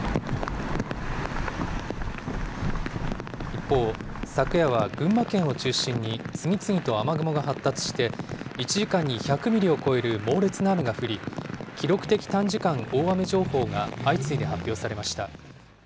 一方、昨夜は群馬県を中心に、次々と雨雲が発達して、１時間に１００ミリを超える猛烈な雨が降り、記録的短時間大雨情報が相次いで発表されました。